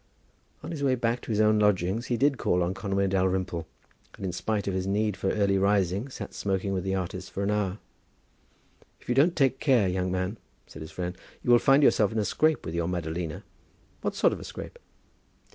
On his way back to his own lodgings he did call on Conway Dalrymple, and in spite of his need for early rising, sat smoking with the artist for an hour. "If you don't take care, young man," said his friend, "you will find yourself in a scrape with your Madalina." "What sort of a scrape?"